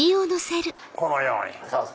このように。